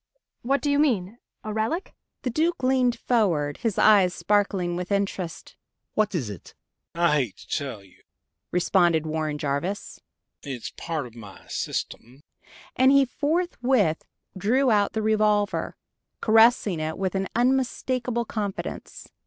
What do you mean a relic?" The Duke leaned forward, his eyes sparkling with interest. "What is it?" "I'd hate to tell you," responded Warren Jarvis. "It's part of my system." And he forthwith drew out the revolver, caressing it with an unmistakable confidence.